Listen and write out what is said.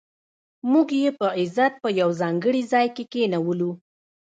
موږ یې په عزت په یو ځانګړي ځای کې کېنولو.